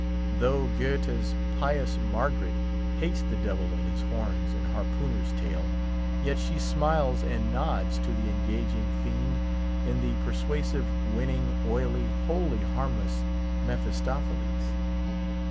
Though Goethe's pious Margaret hates the Devil in his horns and harpooner's tail, yet she smiles and nods to the engaging fiend in the persuasive, winning, oily, wholly harmless Mephistopheles.